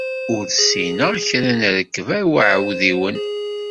Ur ssineɣ kra deg rrekba iɛudiwen.